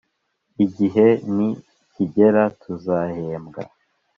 Igihe Ni kigera tuzahembwa